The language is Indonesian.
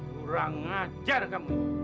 kurang ngajar kamu